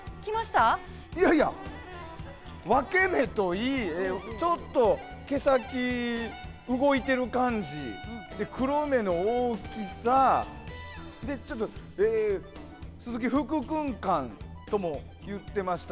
分け目といいちょっと毛先が動いてる感じ黒目の大きさで、鈴木福君感とも言ってました。